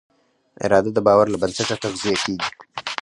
اراده د باور له بنسټه تغذیه کېږي.